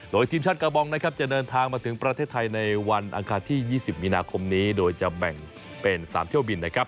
โดยทีมชาติกาบองนะครับจะเดินทางมาถึงประเทศไทยในวันอังคารที่๒๐มีนาคมนี้โดยจะแบ่งเป็น๓เที่ยวบินนะครับ